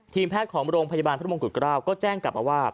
แพทย์ของโรงพยาบาลพระมงกุฎเกล้าก็แจ้งกลับมาว่า